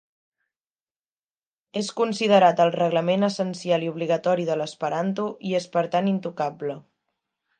És considerat el reglament essencial i obligatori de l'esperanto i és per tant intocable.